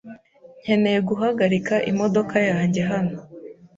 Nkeneye guhagarika imodoka yanjye hano.